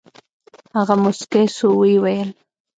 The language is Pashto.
هغه موسكى سو ويې ويل.